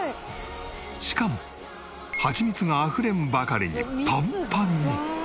しかもハチミツがあふれんばかりにパンパンに！